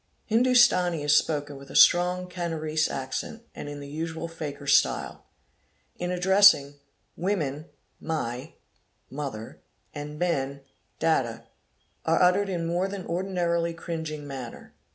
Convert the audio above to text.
Hindustani is spoken with a strong Canarese" accent and in the usual fakir style. In addressing, women, 'Mai' (mother) and men, 'Data', are uttered in a more than ordinarily cringing manner.